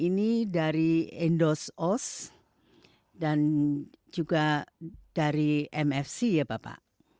ini dari indosos dan juga dari mfc ya bapak